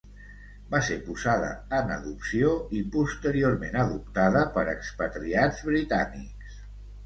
Va ser posada en adopció i posteriorment adoptada per expatriats britànics.